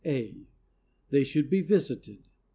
(a). They should be visited.